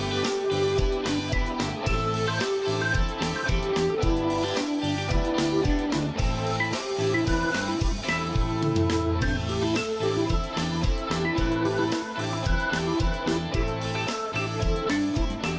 สวัสดีครับ